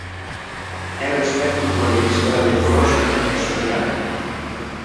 É respecto pola diversidade ecolóxica e social.